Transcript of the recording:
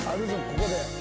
ここで。